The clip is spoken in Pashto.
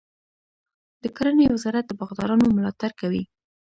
د کرنې وزارت د باغدارانو ملاتړ کوي.